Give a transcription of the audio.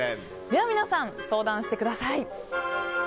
では皆さん、相談してください。